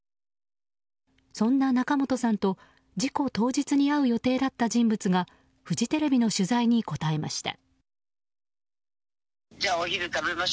そんな仲本さんと事故当日に会う予定だった人物がフジテレビの取材に答えました。